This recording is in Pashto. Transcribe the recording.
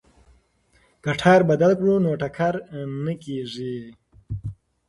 که ټایر بدل کړو نو ټکر نه کیږي.